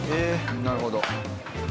なるほど。